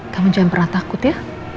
kamu jangan pernah takut ya